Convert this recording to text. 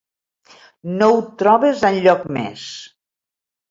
No ho trobes enlloc més.